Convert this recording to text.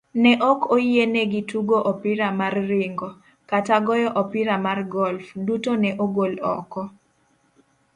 Ne okoyienegi tugoopira mar ringo, kata goyo opira mar golf, duto ne ogol oko